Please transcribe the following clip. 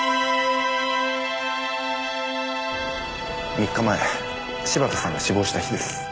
３日前柴田さんが死亡した日です。